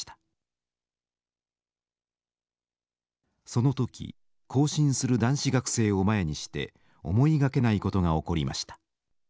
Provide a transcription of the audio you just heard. その時行進する男子学生を前にして思いがけないことが起こりました。